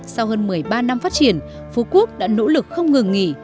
sau hơn một mươi ba năm phát triển phú quốc đã nỗ lực không ngừng nghỉ